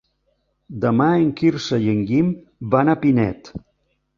Demà en Quirze i en Guim van a Pinet.